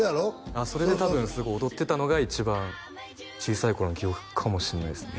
ああそれで多分すごい踊ってたのが一番小さい頃の記憶かもしれないですね